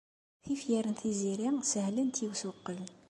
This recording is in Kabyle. Tifyar n Tiziri sehlent i usuqqel.